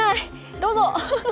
どうぞ！